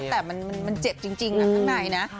แต่มันเจ็บจริงข้างในนะ